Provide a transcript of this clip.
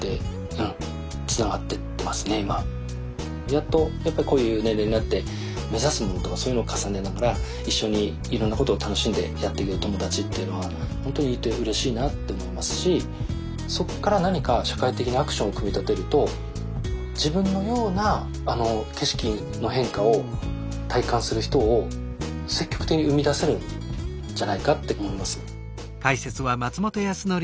やっとやっぱりこういう年齢になって目指すものとかそういうのを重ねながら一緒にいろんなことを楽しんでやっていける友達っていうのは本当にいてうれしいなって思いますしそこから何か社会的なアクションを組み立てると自分のような景色の変化を体感する人を積極的に生み出せるんじゃないかって思います。